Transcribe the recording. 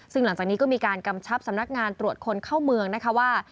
ซึ่งหลังจากนี้ก็มีการกำชับสำนักงานตรวจคนเข้าเมืองนะคะว่า